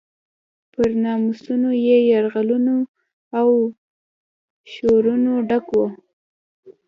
پر ناموسونو له یرغلونو او شورونو ډک و.